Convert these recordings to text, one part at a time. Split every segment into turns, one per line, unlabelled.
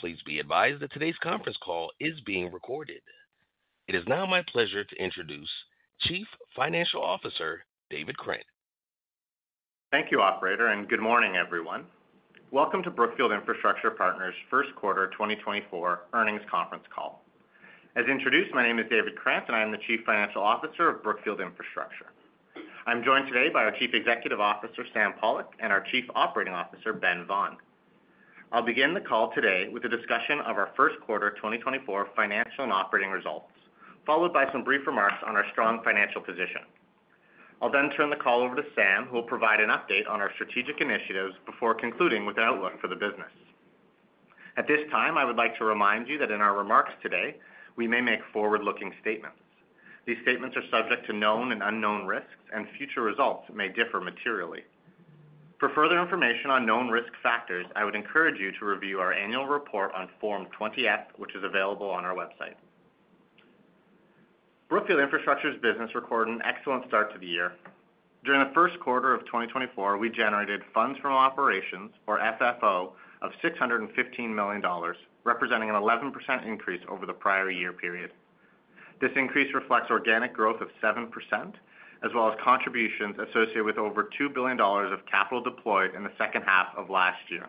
Please be advised that today's conference call is being recorded. It is now my pleasure to introduce Chief Financial Officer David Krant.
Thank you, Operator, and good morning, everyone. Welcome to Brookfield Infrastructure Partners' first quarter 2024 earnings conference call. As introduced, my name is David Krant, and I am the Chief Financial Officer of Brookfield Infrastructure Partners. I'm joined today by our Chief Executive Officer Sam Pollock and our Chief Operating Officer Ben Vaughan. I'll begin the call today with a discussion of our first quarter 2024 financial and operating results, followed by some brief remarks on our strong financial position. I'll then turn the call over to Sam, who will provide an update on our strategic initiatives before concluding with an outlook for the business. At this time, I would like to remind you that in our remarks today, we may make forward-looking statements. These statements are subject to known and unknown risks, and future results may differ materially. For further information on known risk factors, I would encourage you to review our annual report on Form 20-F, which is available on our website. Brookfield Infrastructure's business recorded an excellent start to the year. During the first quarter of 2024, we generated funds from operations, or FFO, of $615 million, representing an 11% increase over the prior year period. This increase reflects organic growth of 7%, as well as contributions associated with over $2 billion of capital deployed in the second half of last year.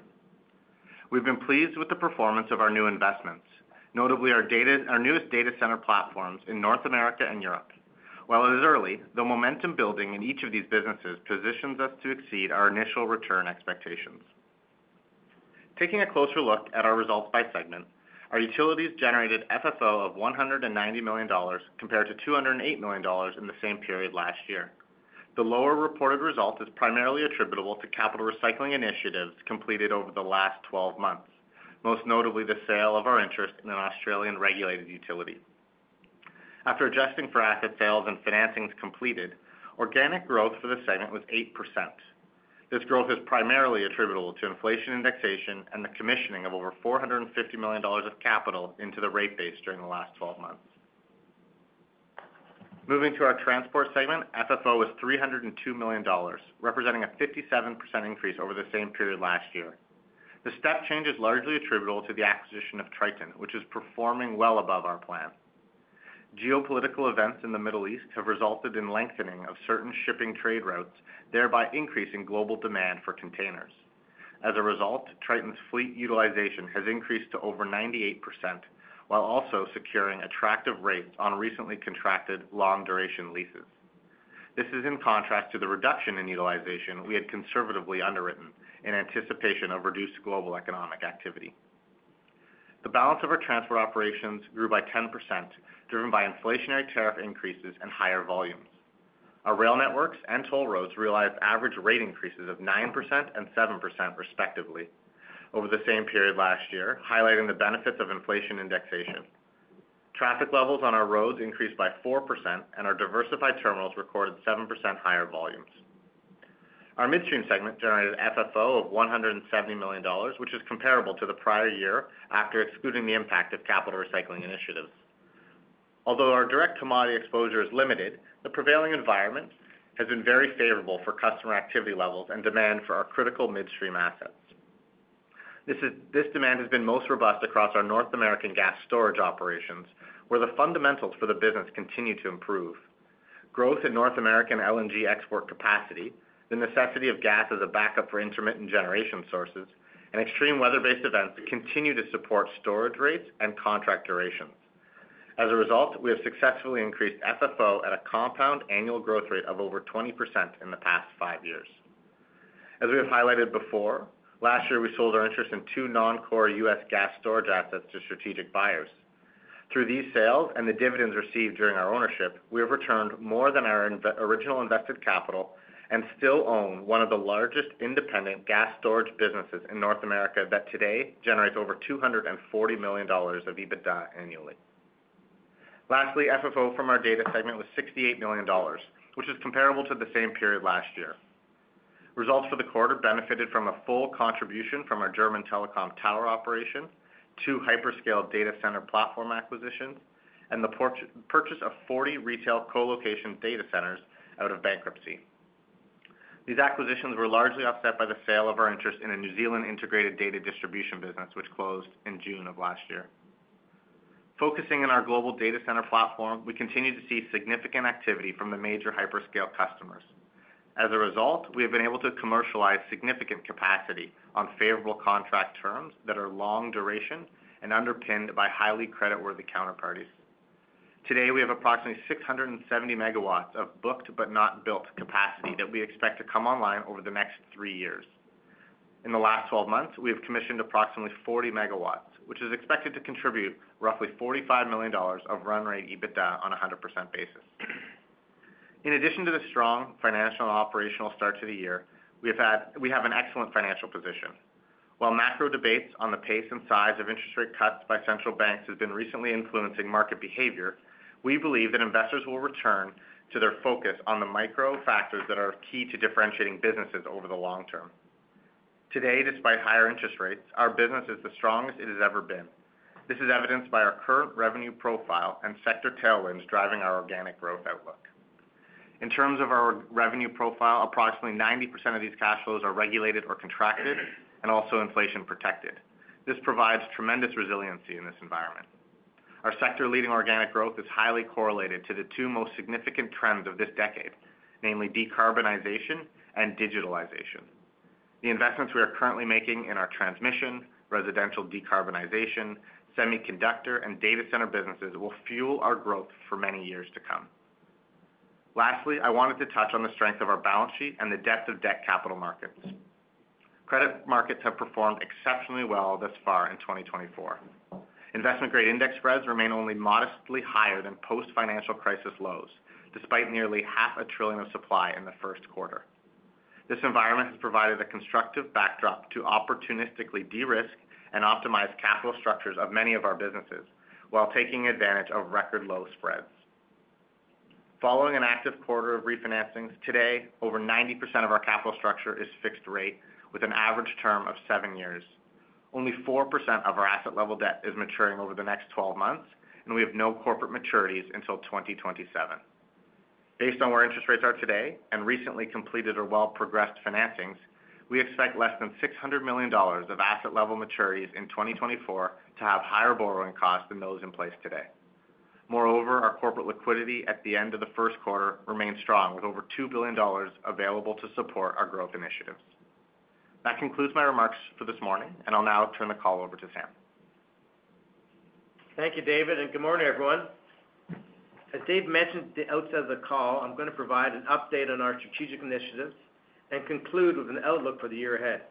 We've been pleased with the performance of our new investments, notably our newest data center platforms in North America and Europe. While it is early, the momentum building in each of these businesses positions us to exceed our initial return expectations. Taking a closer look at our results by segment, our utilities generated FFO of $190 million compared to $208 million in the same period last year. The lower reported result is primarily attributable to capital recycling initiatives completed over the last 12 months, most notably the sale of our interest in an Australian regulated utility. After adjusting for asset sales and financings completed, organic growth for the segment was 8%. This growth is primarily attributable to inflation indexation and the commissioning of over $450 million of capital into the rate base during the last 12 months. Moving to our transport segment, FFO was $302 million, representing a 57% increase over the same period last year. The step change is largely attributable to the acquisition of Triton, which is performing well above our plan. Geopolitical events in the Middle East have resulted in lengthening of certain shipping trade routes, thereby increasing global demand for containers. As a result, Triton's fleet utilization has increased to over 98% while also securing attractive rates on recently contracted long-duration leases. This is in contrast to the reduction in utilization we had conservatively underwritten in anticipation of reduced global economic activity. The balance of our transport operations grew by 10%, driven by inflationary tariff increases and higher volumes. Our rail networks and toll roads realized average rate increases of 9% and 7%, respectively, over the same period last year, highlighting the benefits of inflation indexation. Traffic levels on our roads increased by 4%, and our diversified terminals recorded 7% higher volumes. Our midstream segment generated FFO of $170 million, which is comparable to the prior year after excluding the impact of capital recycling initiatives. Although our direct commodity exposure is limited, the prevailing environment has been very favorable for customer activity levels and demand for our critical midstream assets. This demand has been most robust across our North American gas storage operations, where the fundamentals for the business continue to improve: growth in North American LNG export capacity, the necessity of gas as a backup for intermittent generation sources, and extreme weather-based events that continue to support storage rates and contract durations. As a result, we have successfully increased FFO at a compound annual growth rate of over 20% in the past five years. As we have highlighted before, last year we sold our interest in two non-core U.S. gas storage assets to strategic buyers. Through these sales and the dividends received during our ownership, we have returned more than our original invested capital and still own one of the largest independent gas storage businesses in North America that today generates over $240 million of EBITDA annually. Lastly, FFO from our data segment was $68 million, which is comparable to the same period last year. Results for the quarter benefited from a full contribution from our German telecom tower operation, two hyperscale data center platform acquisitions, and the purchase of 40 retail co-location data centers out of bankruptcy. These acquisitions were largely offset by the sale of our interest in a New Zealand integrated data distribution business, which closed in June of last year. Focusing in our global data center platform, we continue to see significant activity from the major hyperscale customers. As a result, we have been able to commercialize significant capacity on favorable contract terms that are long-duration and underpinned by highly creditworthy counterparties. Today, we have approximately 670 MW of booked but not built capacity that we expect to come online over the next three years. In the last 12 months, we have commissioned approximately 40 MW, which is expected to contribute roughly $45 million of run rate EBITDA on a 100% basis. In addition to the strong financial and operational start to the year, we have an excellent financial position. While macro debates on the pace and size of interest rate cuts by central banks have been recently influencing market behavior, we believe that investors will return to their focus on the micro factors that are key to differentiating businesses over the long term. Today, despite higher interest rates, our business is the strongest it has ever been. This is evidenced by our current revenue profile and sector tailwinds driving our organic growth outlook. In terms of our revenue profile, approximately 90% of these cash flows are regulated or contracted and also inflation protected. This provides tremendous resiliency in this environment. Our sector-leading organic growth is highly correlated to the two most significant trends of this decade, namely decarbonization and digitalization. The investments we are currently making in our transmission, residential decarbonization, semiconductor, and data center businesses will fuel our growth for many years to come. Lastly, I wanted to touch on the strength of our balance sheet and the depth of debt capital markets. Credit markets have performed exceptionally well thus far in 2024. Investment-grade index spreads remain only modestly higher than post-financial crisis lows, despite nearly $500 billion of supply in the first quarter. This environment has provided a constructive backdrop to opportunistically de-risk and optimize capital structures of many of our businesses while taking advantage of record-low spreads. Following an active quarter of refinancings, today, over 90% of our capital structure is fixed rate with an average term of seven years. Only 4% of our asset-level debt is maturing over the next 12 months, and we have no corporate maturities until 2027. Based on where interest rates are today and recently completed or well-progressed financings, we expect less than $600 million of asset-level maturities in 2024 to have higher borrowing costs than those in place today. Moreover, our corporate liquidity at the end of the first quarter remains strong, with over $2 billion available to support our growth initiatives. That concludes my remarks for this morning, and I'll now turn the call over to Sam.
Thank you, David, and good morning, everyone. As Dave mentioned at the outset of the call, I'm going to provide an update on our strategic initiatives and conclude with an outlook for the year ahead.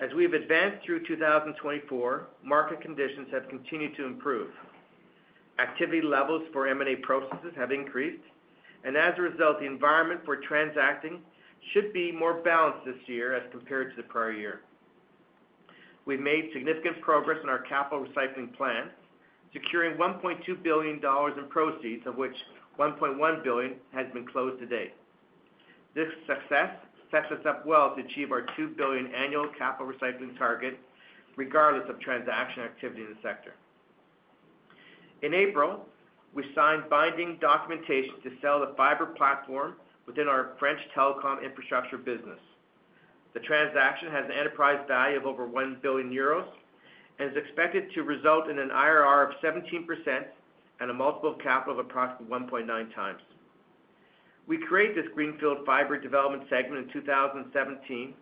As we've advanced through 2024, market conditions have continued to improve. Activity levels for M&A processes have increased, and as a result, the environment for transacting should be more balanced this year as compared to the prior year. We've made significant progress in our capital recycling plan, securing $1.2 billion in proceeds, of which $1.1 billion has been closed today. This success sets us up well to achieve our $2 billion annual capital recycling target regardless of transaction activity in the sector. In April, we signed binding documentation to sell the fiber platform within our French telecom infrastructure business. The transaction has an enterprise value of over 1 billion euros and is expected to result in an IRR of 17% and a multiple of capital of approximately 1.9x. We created this greenfield fiber development segment in 2017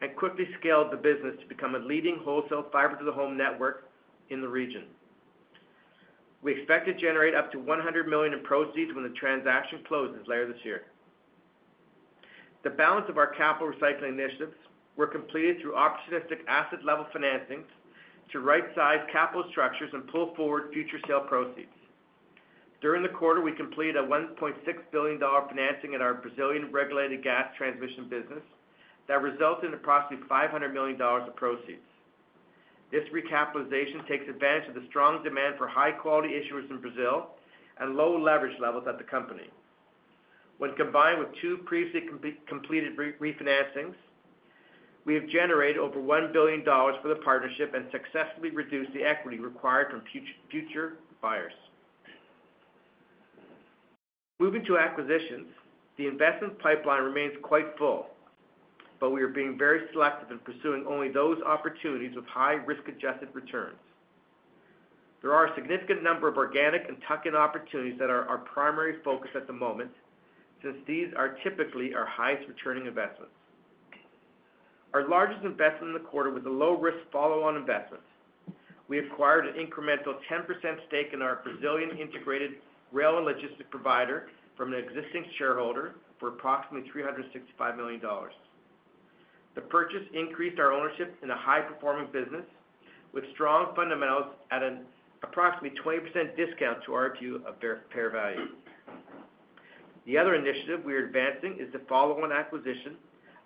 and quickly scaled the business to become a leading wholesale fiber-to-the-home network in the region. We expect to generate up to $100 million in proceeds when the transaction closes later this year. The balance of our capital recycling initiatives were completed through opportunistic asset-level financings to right-size capital structures and pull forward future sale proceeds. During the quarter, we completed a $1.6 billion financing at our Brazilian regulated gas transmission business that resulted in approximately $500 million of proceeds. This recapitalization takes advantage of the strong demand for high-quality issuers in Brazil and low leverage levels at the company. When combined with two previously completed refinancings, we have generated over $1 billion for the partnership and successfully reduced the equity required from future buyers. Moving to acquisitions, the investment pipeline remains quite full, but we are being very selective in pursuing only those opportunities with high-risk-adjusted returns. There are a significant number of organic and tuck-in opportunities that are our primary focus at the moment since these typically are our highest-returning investments. Our largest investment in the quarter was a low-risk follow-on investment. We acquired an incremental 10% stake in our Brazilian integrated rail and logistics provider from an existing shareholder for approximately $365 million. The purchase increased our ownership in a high-performing business with strong fundamentals at an approximately 20% discount to our view of fair value. The other initiative we are advancing is the follow-on acquisition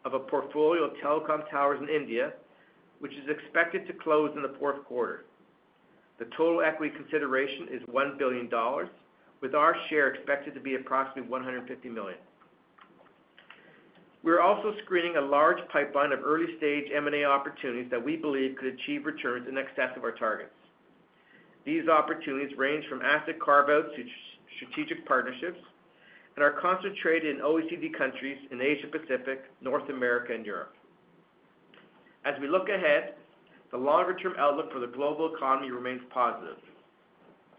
of a portfolio of Telecom Towers in India, which is expected to close in the fourth quarter. The total equity consideration is $1 billion, with our share expected to be approximately $150 million. We are also screening a large pipeline of early-stage M&A opportunities that we believe could achieve returns in excess of our targets. These opportunities range from asset carve-outs to strategic partnerships and are concentrated in OECD countries in Asia-Pacific, North America, and Europe. As we look ahead, the longer-term outlook for the global economy remains positive.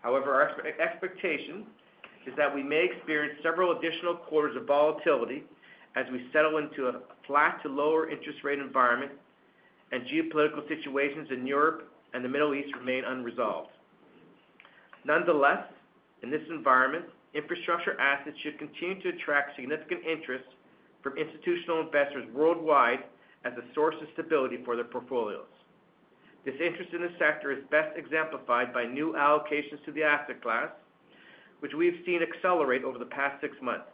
However, our expectation is that we may experience several additional quarters of volatility as we settle into a flat-to-lower interest rate environment and geopolitical situations in Europe and the Middle East remain unresolved. Nonetheless, in this environment, infrastructure assets should continue to attract significant interest from institutional investors worldwide as a source of stability for their portfolios. This interest in the sector is best exemplified by new allocations to the asset class, which we've seen accelerate over the past six months.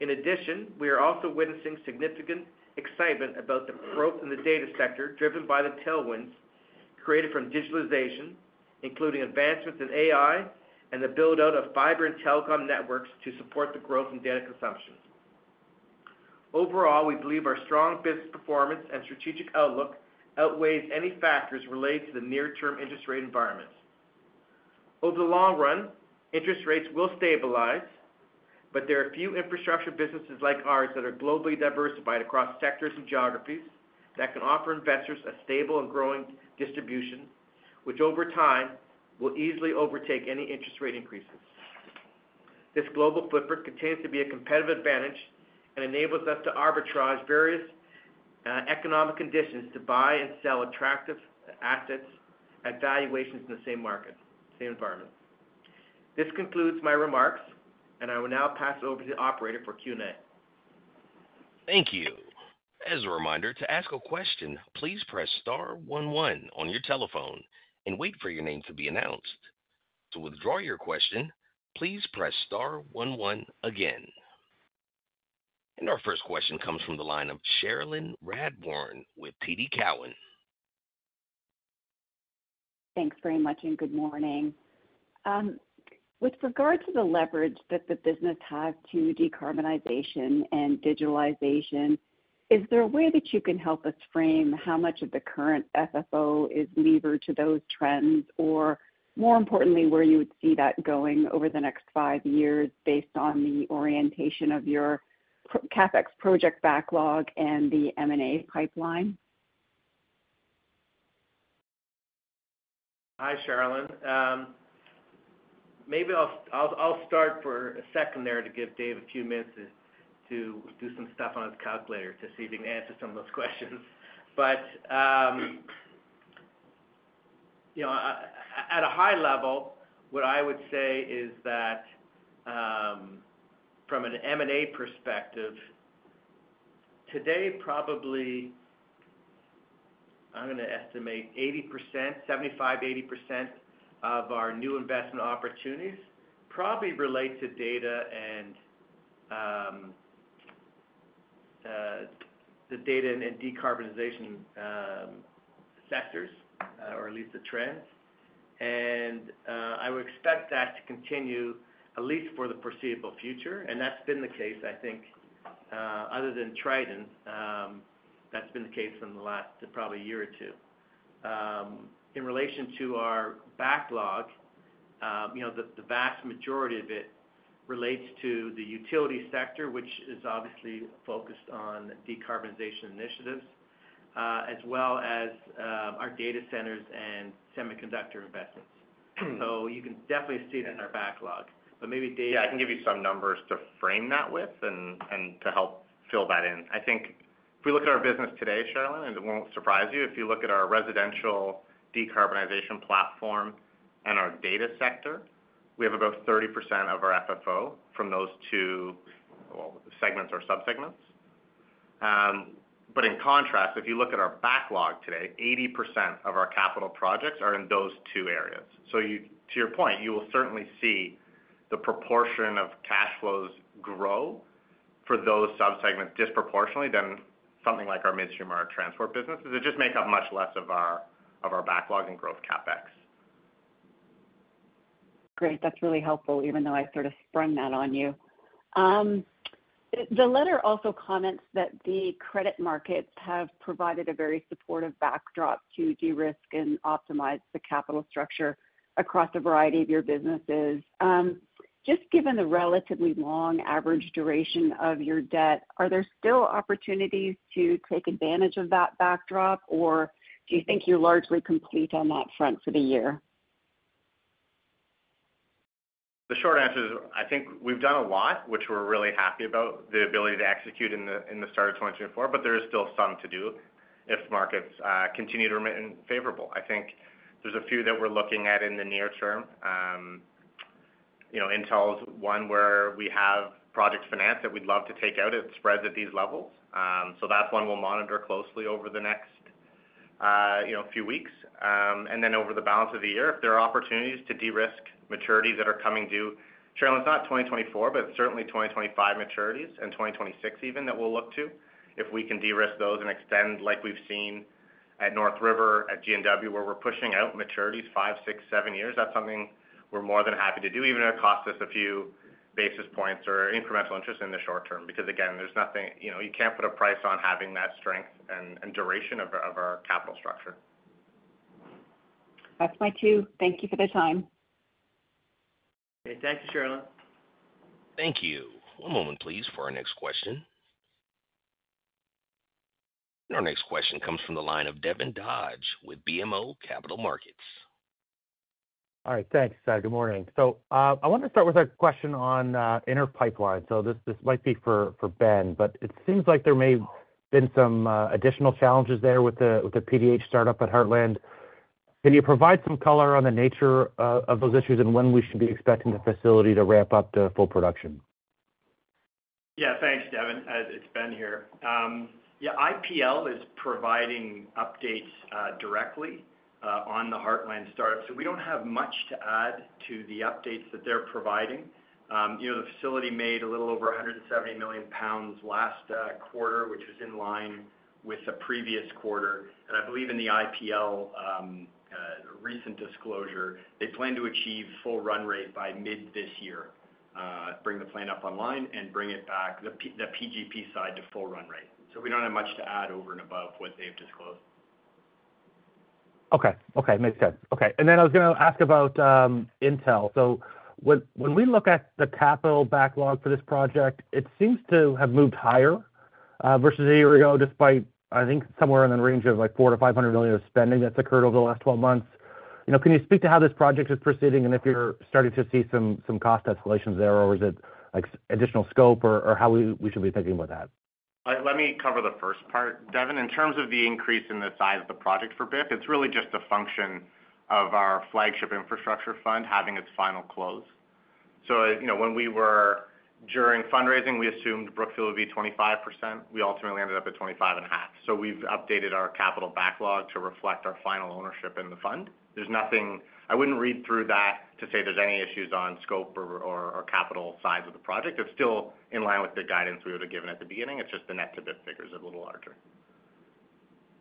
In addition, we are also witnessing significant excitement about the growth in the data sector driven by the tailwinds created from digitalization, including advancements in AI and the buildout of fiber and telecom networks to support the growth in data consumption. Overall, we believe our strong business performance and strategic outlook outweighs any factors related to the near-term interest rate environment. Over the long run, interest rates will stabilize, but there are few infrastructure businesses like ours that are globally diversified across sectors and geographies that can offer investors a stable and growing distribution, which over time will easily overtake any interest rate increases. This global footprint continues to be a competitive advantage and enables us to arbitrage various economic conditions to buy and sell attractive assets at valuations in the same market, same environment. This concludes my remarks, and I will now pass it over to the operator for Q&A.
Thank you. As a reminder, to ask a question, please press star one one on your telephone and wait for your name to be announced. To withdraw your question, please press star one one again. Our first question comes from the line of Cherilyn Radbourne with TD Cowen.
Thanks very much and good morning. With regard to the leverage that the business has to decarbonization and digitalization, is there a way that you can help us frame how much of the current FFO is levered to those trends, or more importantly, where you would see that going over the next five years based on the orientation of your CapEx project backlog and the M&A pipeline?
Hi, Cherilyn. Maybe I'll start for a second there to give Dave a few minutes to do some stuff on his calculator to see if he can answer some of those questions. But at a high level, what I would say is that from an M&A perspective, today probably I'm going to estimate 75%-80% of our new investment opportunities probably relate to data and decarbonization sectors, or at least the trends. And I would expect that to continue at least for the foreseeable future. And that's been the case, I think, other than Triton. That's been the case in the last probably year or two. In relation to our backlog, the vast majority of it relates to the utility sector, which is obviously focused on decarbonization initiatives, as well as our data centers and semiconductor investments. So you can definitely see it in our backlog. But maybe Dave.
Yeah, I can give you some numbers to frame that with and to help fill that in. I think if we look at our business today, Cherilyn, and it won't surprise you, if you look at our residential decarbonization platform and our data sector, we have about 30% of our FFO from those two segments or subsegments. But in contrast, if you look at our backlog today, 80% of our capital projects are in those two areas. So to your point, you will certainly see the proportion of cash flows grow for those subsegments disproportionately than something like our midstream or our transport businesses that just make up much less of our backlog and growth CapEx.
Great. That's really helpful, even though I sort of sprung that on you. The letter also comments that the credit markets have provided a very supportive backdrop to de-risk and optimize the capital structure across a variety of your businesses. Just given the relatively long average duration of your debt, are there still opportunities to take advantage of that backdrop, or do you think you're largely complete on that front for the year?
The short answer is I think we've done a lot, which we're really happy about the ability to execute in the start of 2024, but there is still some to do if markets continue to remain favorable. I think there's a few that we're looking at in the near term. Intel's one where we have project finance that we'd love to take out at spreads at these levels. So that's one we'll monitor closely over the next few weeks. And then over the balance of the year, if there are opportunities to de-risk maturities that are coming due, Cherilyn, it's not 2024, but certainly 2025 maturities and 2026 even that we'll look to if we can de-risk those and extend like we've seen at North River, at G&W, where we're pushing out maturities five, six, seven years. That's something we're more than happy to do, even if it costs us a few basis points or incremental interest in the short term. Because again, there's nothing you can't put a price on having that strength and duration of our capital structure.
That's my two. Thank you for the time.
Okay. Thank you, Cherilyn.
Thank you. One moment, please, for our next question. Our next question comes from the line of Devin Dodge with BMO Capital Markets.
All right. Thanks, good morning. So I want to start with a question on Inter Pipeline. So this might be for Ben, but it seems like there may have been some additional challenges there with the PDH startup at Heartland. Can you provide some color on the nature of those issues and when we should be expecting the facility to ramp up to full production?
Yeah. Thanks, Devin. It's Ben here. Yeah, IPL is providing updates directly on the Heartland startup, so we don't have much to add to the updates that they're providing. The facility made a little over CAD 170 million last quarter, which was in line with the previous quarter. I believe in the IPL recent disclosure, they plan to achieve full run rate by mid this year, bring the plant up online, and bring it back, the PGP side, to full run rate. So we don't have much to add over and above what they've disclosed.
Okay. Okay. Makes sense. Okay. And then I was going to ask about Intel. So when we look at the capital backlog for this project, it seems to have moved higher versus a year ago despite, I think, somewhere in the range of like $400 million-$500 million of spending that's occurred over the last 12 months. Can you speak to how this project is proceeding and if you're starting to see some cost escalations there, or is it additional scope or how we should be thinking about that?
Let me cover the first part, Devin. In terms of the increase in the size of the project for BIP, it's really just a function of our flagship infrastructure fund having its final close. When we were during fundraising, we assumed Brookfield would be 25%. We ultimately ended up at 25.5%. We've updated our capital backlog to reflect our final ownership in the fund. I wouldn't read through that to say there's any issues on scope or capital size of the project. It's still in line with the guidance we would have given at the beginning. It's just the net-to-BIP figures are a little larger.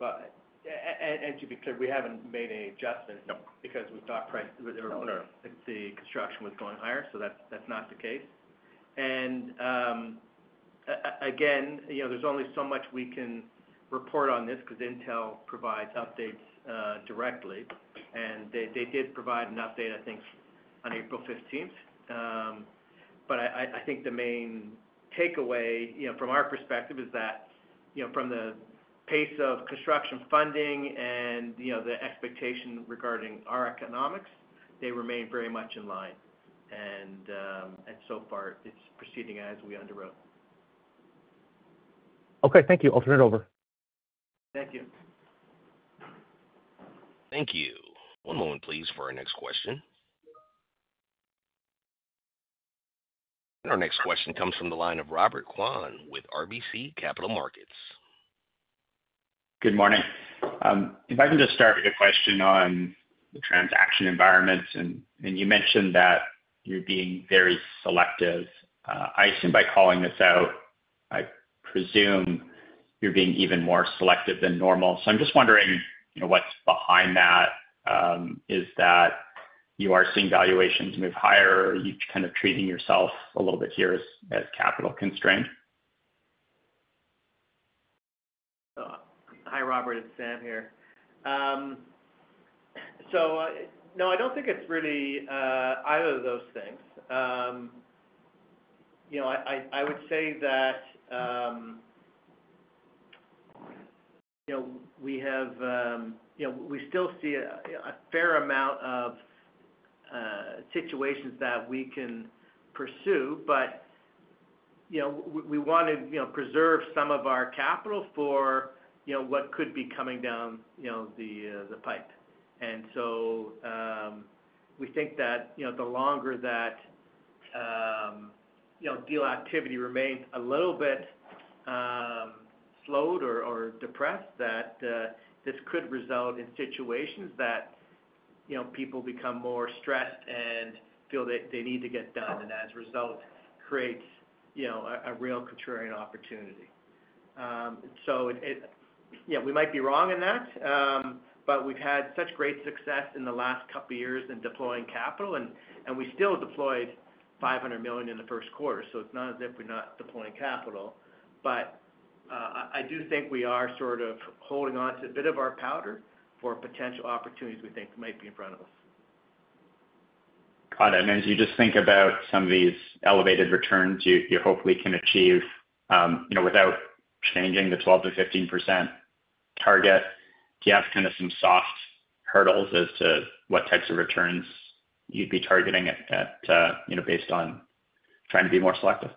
To be clear, we haven't made any adjustments because we thought the construction was going higher, so that's not the case. Again, there's only so much we can report on this because Intel provides updates directly. They did provide an update, I think, on April 15th. But I think the main takeaway from our perspective is that from the pace of construction funding and the expectation regarding our economics, they remain very much in line. So far, it's proceeding as we underwrote.
Okay. Thank you. I'll turn it over.
Thank you.
Thank you. One moment, please, for our next question. Our next question comes from the line of Robert Kwan with RBC Capital Markets.
Good morning. If I can just start with a question on the transaction environments. You mentioned that you're being very selective. I assume by calling this out, I presume you're being even more selective than normal. I'm just wondering what's behind that. Is that you are seeing valuations move higher, or are you kind of treating yourself a little bit here as capital constrained?
Hi, Robert. It's Sam here. So no, I don't think it's really either of those things. I would say that we still see a fair amount of situations that we can pursue, but we want to preserve some of our capital for what could be coming down the pipe. So we think that the longer that deal activity remains a little bit slowed or depressed, that this could result in situations that people become more stressed and feel that they need to get done, and as a result, creates a real contrarian opportunity. So yeah, we might be wrong in that, but we've had such great success in the last couple of years in deploying capital, and we still deployed $500 million in the first quarter. So it's not as if we're not deploying capital. I do think we are sort of holding on to a bit of our powder for potential opportunities we think might be in front of us.
Got it. As you just think about some of these elevated returns you hopefully can achieve without changing the 12%-15% target, do you have kind of some soft hurdles as to what types of returns you'd be targeting based on trying to be more selective?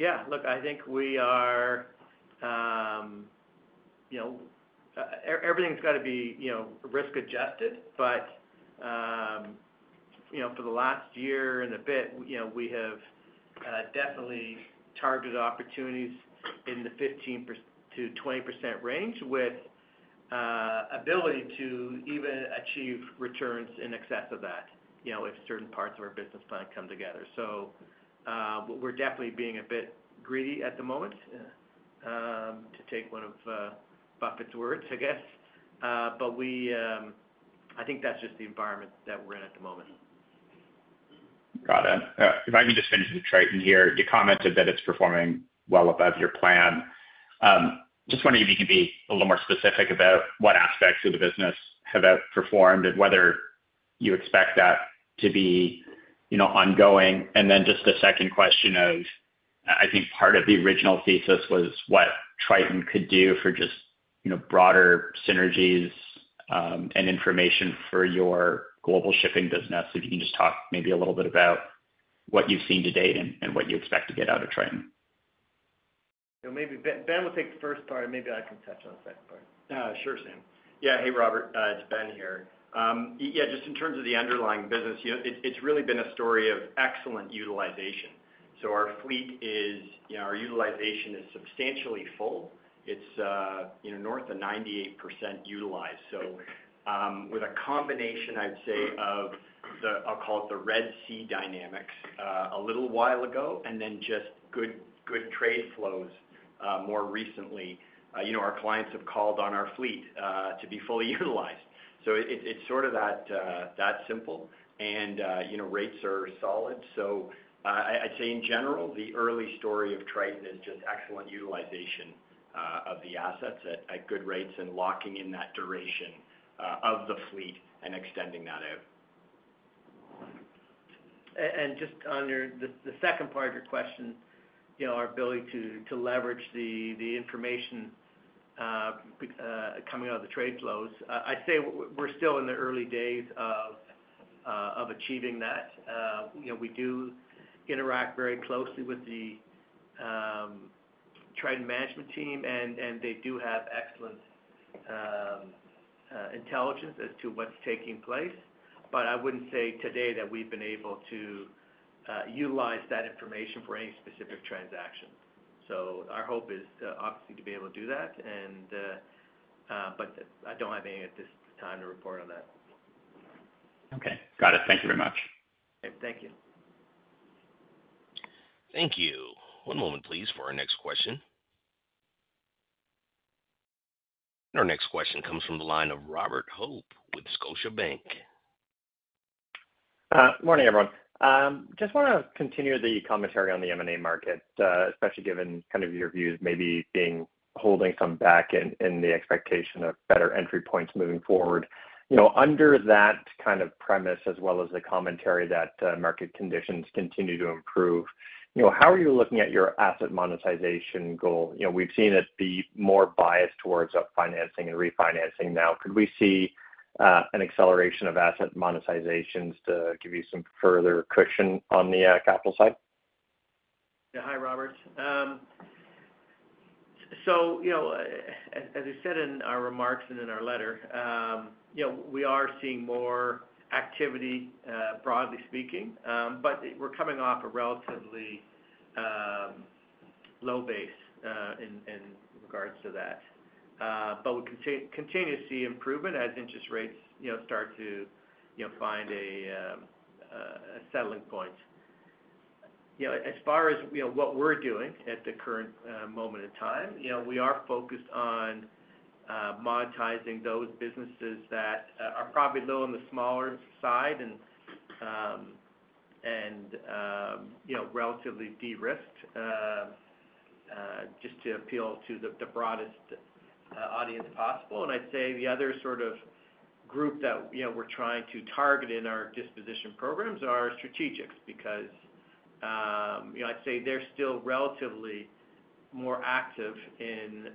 Yeah. Look, I think we are everything's got to be risk-adjusted. But for the last year and a bit, we have definitely targeted opportunities in the 15%-20% range with ability to even achieve returns in excess of that if certain parts of our business plan come together. So we're definitely being a bit greedy at the moment, to take one of Buffett's words, I guess. But I think that's just the environment that we're in at the moment.
Got it. If I can just finish with Triton here. You commented that it's performing well above your plan. Just wondering if you can be a little more specific about what aspects of the business have outperformed and whether you expect that to be ongoing. And then just a second question of I think part of the original thesis was what Triton could do for just broader synergies and information for your global shipping business. If you can just talk maybe a little bit about what you've seen to date and what you expect to get out of Triton.
Maybe Ben will take the first part, and maybe I can touch on the second part.
Sure, Sam. Yeah. Hey, Robert. It's Ben here. Yeah, just in terms of the underlying business, it's really been a story of excellent utilization. So our fleet is our utilization is substantially full. It's north of 98% utilized. So with a combination, I'd say, of the I'll call it the Red Sea dynamics a little while ago and then just good trade flows more recently, our clients have called on our fleet to be fully utilized. So it's sort of that simple. And rates are solid. So I'd say, in general, the early story of Triton is just excellent utilization of the assets at good rates and locking in that duration of the fleet and extending that out.
Just on the second part of your question, our ability to leverage the information coming out of the trade flows, I'd say we're still in the early days of achieving that. We do interact very closely with the Triton management team, and they do have excellent intelligence as to what's taking place. But I wouldn't say today that we've been able to utilize that information for any specific transaction. So our hope is, obviously, to be able to do that, but I don't have any at this time to report on that.
Okay. Got it. Thank you very much.
Thank you.
Thank you. One moment, please, for our next question. Our next question comes from the line of Robert Hope with Scotiabank.
Morning, everyone. Just want to continue the commentary on the M&A market, especially given kind of your views maybe holding some back in the expectation of better entry points moving forward. Under that kind of premise as well as the commentary that market conditions continue to improve, how are you looking at your asset monetization goal? We've seen it be more biased towards upfinancing and refinancing now. Could we see an acceleration of asset monetizations to give you some further cushion on the capital side?
Yeah. Hi, Robert. So as we said in our remarks and in our letter, we are seeing more activity, broadly speaking, but we're coming off a relatively low base in regards to that. But we continue to see improvement as interest rates start to find a settling point. As far as what we're doing at the current moment in time, we are focused on monetizing those businesses that are probably low on the smaller side and relatively de-risked just to appeal to the broadest audience possible. And I'd say the other sort of group that we're trying to target in our disposition programs are strategics because I'd say they're still relatively more active in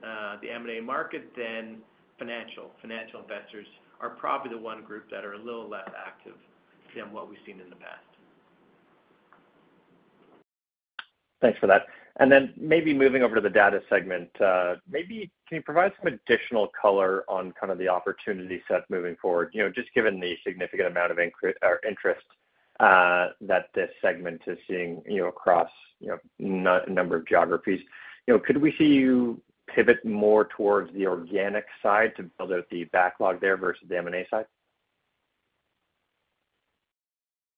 the M&A market than financial. Financial investors are probably the one group that are a little less active than what we've seen in the past.
Thanks for that. And then maybe moving over to the data segment, maybe can you provide some additional color on kind of the opportunity set moving forward, just given the significant amount of interest that this segment is seeing across a number of geographies? Could we see you pivot more towards the organic side to build out the backlog there versus the M&A side?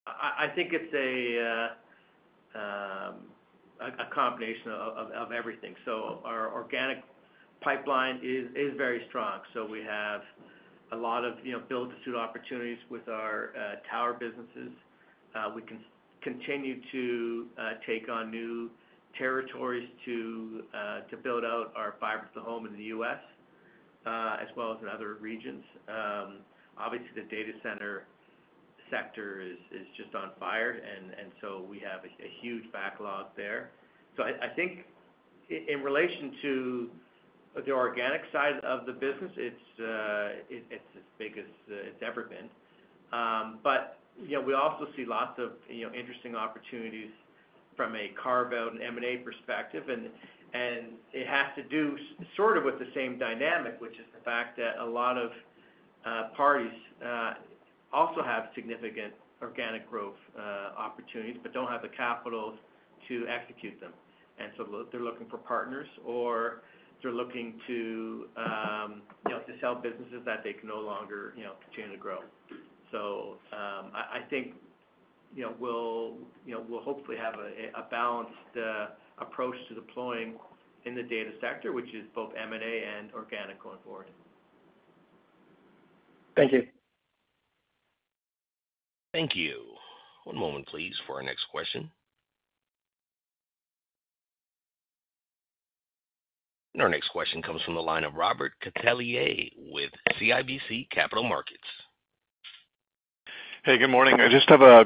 I think it's a combination of everything. So our organic pipeline is very strong. So we have a lot of build-to-suit opportunities with our tower businesses. We can continue to take on new territories to build out our fiber-to-the-home in the U.S. as well as in other regions. Obviously, the data center sector is just on fire, and so we have a huge backlog there. So I think in relation to the organic side of the business, it's as big as it's ever been. But we also see lots of interesting opportunities from a carve-out and M&A perspective. And it has to do sort of with the same dynamic, which is the fact that a lot of parties also have significant organic growth opportunities but don't have the capital to execute them. They're looking for partners, or they're looking to sell businesses that they can no longer continue to grow. I think we'll hopefully have a balanced approach to deploying in the data sector, which is both M&A and organic going forward.
Thank you.
Thank you. One moment, please, for our next question. Our next question comes from the line of Robert Catellier with CIBC Capital Markets.
Hey. Good morning. I just have a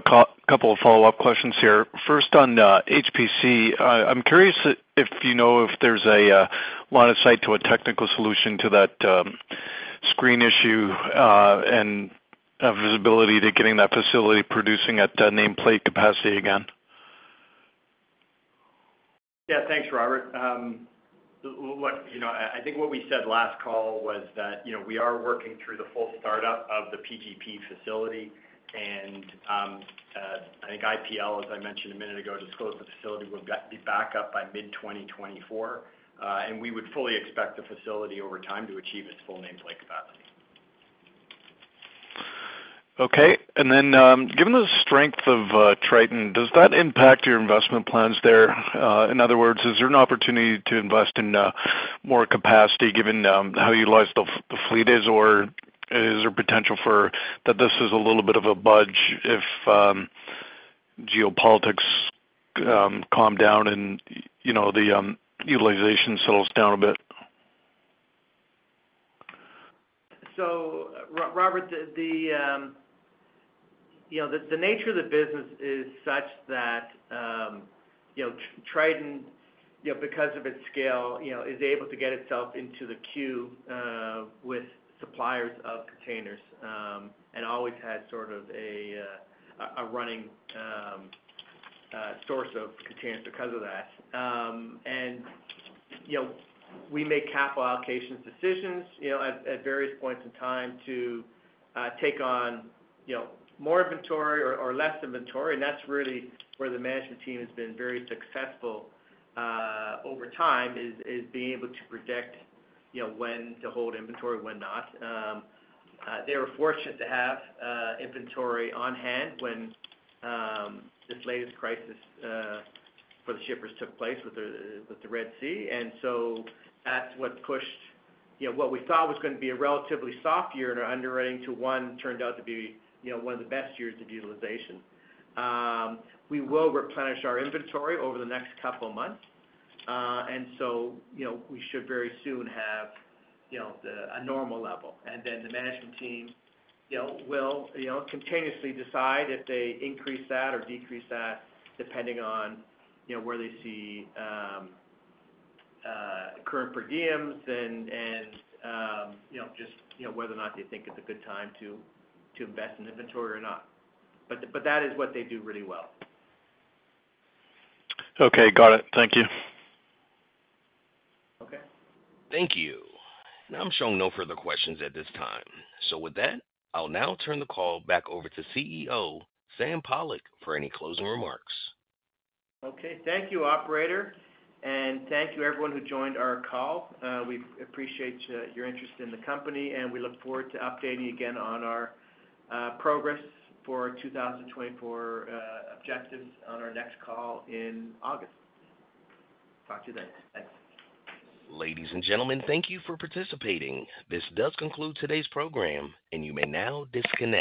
couple of follow-up questions here. First, on HPC, I'm curious if you know if there's a line of sight to a technical solution to that screen issue and visibility to getting that facility producing at nameplate capacity again?
Yeah. Thanks, Robert. I think what we said last call was that we are working through the full startup of the PGP facility. And I think IPL, as I mentioned a minute ago, disclosed the facility would be back up by mid-2024. And we would fully expect the facility over time to achieve its full nameplate capacity.
Okay. And then given the strength of Triton, does that impact your investment plans there? In other words, is there an opportunity to invest in more capacity given how utilized the fleet is, or is there potential for that this is a little bit of a bulge if geopolitics calm down and the utilization settles down a bit?
So, Robert, the nature of the business is such that Triton, because of its scale, is able to get itself into the queue with suppliers of containers and always has sort of a running source of containers because of that. And we make capital allocations decisions at various points in time to take on more inventory or less inventory. And that's really where the management team has been very successful over time, is being able to predict when to hold inventory, when not. They were fortunate to have inventory on hand when this latest crisis for the shippers took place with the Red Sea. And so that's what pushed what we thought was going to be a relatively soft year in our underwriting to one turned out to be one of the best years of utilization. We will replenish our inventory over the next couple of months. We should very soon have a normal level. Then the management team will continuously decide if they increase that or decrease that depending on where they see current per diems and just whether or not they think it's a good time to invest in inventory or not. That is what they do really well.
Okay. Got it. Thank you.
Okay.
Thank you. I'm showing no further questions at this time. With that, I'll now turn the call back over to CEO Sam Pollock for any closing remarks.
Okay. Thank you, operator. Thank you, everyone, who joined our call. We appreciate your interest in the company, and we look forward to updating you again on our progress for 2024 objectives on our next call in August. Talk to you then. Thanks.
Ladies and gentlemen, thank you for participating. This does conclude today's program, and you may now disconnect.